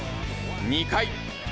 ２回。